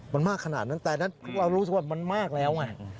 มันมากขนาดนั้นแต่นั้นเรารู้สึกว่ามันมากแล้วไง